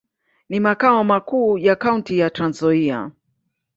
Ni makao makuu ya kaunti ya Trans-Nzoia.